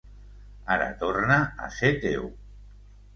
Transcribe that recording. Ara torne a ser teu.